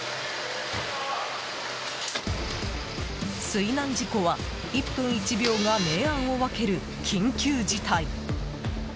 水難事故は、１分１秒が明暗を分ける緊急事態。